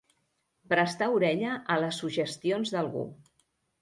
Prestar orella a les suggestions d'algú.